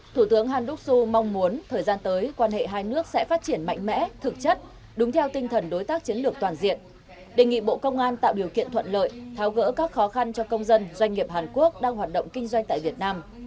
thủ tướng handock su mong muốn thời gian tới quan hệ hai nước sẽ phát triển mạnh mẽ thực chất đúng theo tinh thần đối tác chiến lược toàn diện đề nghị bộ công an tạo điều kiện thuận lợi tháo gỡ các khó khăn cho công dân doanh nghiệp hàn quốc đang hoạt động kinh doanh tại việt nam